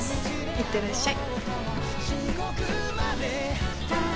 行ってらっしゃい